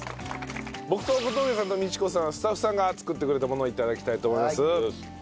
僕と小峠さんと道子さんはスタッフさんが作ってくれたものを頂きたいと思います。